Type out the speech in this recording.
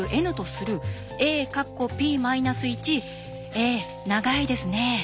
え長いですね。